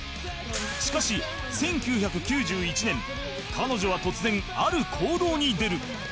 しかし１９９１年彼女は突然ある行動に出る